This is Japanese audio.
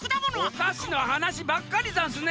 おかしのはなしばっかりざんすね。